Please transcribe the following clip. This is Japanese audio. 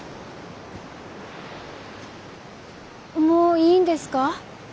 もういいんですか？